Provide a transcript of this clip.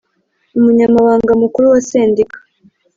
Umunyamabanga Mukuru wa Sendika